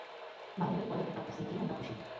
মাইয়াডারে পড়াইতে পারতাছি, এতেই আমরা খুশি।